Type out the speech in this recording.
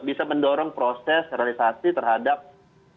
bisa mendorong proses realisasi terhadap